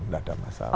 tidak ada masalah